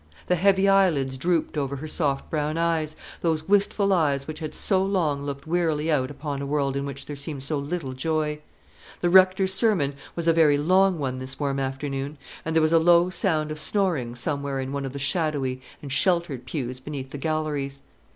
The heavy eyelids drooped over her soft brown eyes, those wistful eyes which had so long looked wearily out upon a world in which there seemed so little joy. The rector's sermon was a very long one this warm afternoon, and there was a low sound of snoring somewhere in one of the shadowy and sheltered pews beneath the galleries.